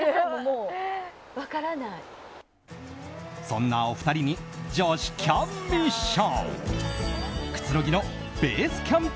そんなお二人に女子キャン！ミッション。